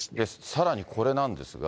さらに、これなんですが。